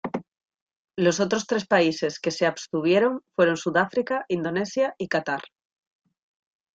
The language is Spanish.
Los otros tres países que se abstuvieron fueron Sudáfrica, Indonesia y Catar.